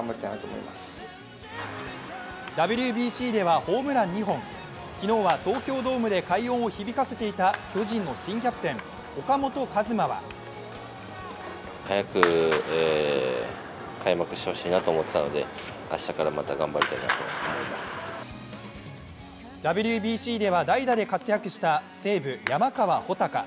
今シーズン目指すものはＷＢＣではホームラン２本昨日は東京ドームで快音を響かせていた巨人の新キャプテン岡本和真はＷＢＣでは代打で活躍した西武・山川穂高。